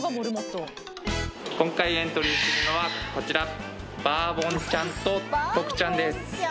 今回エントリーするのはこちらバーボンちゃんとトクちゃんです